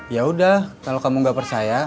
ya udah kalau kamu gak percaya